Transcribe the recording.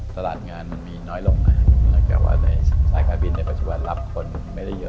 ตลาดงานมีน้อยลงนะครับแต่ว่าในสายการบินในปัจจุบันรับคนไม่ได้เยอะ